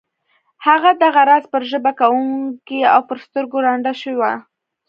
هغه دغه راز پر ژبه ګونګۍ او پر سترګو ړنده شوه